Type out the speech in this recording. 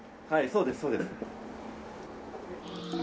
そうですそうです。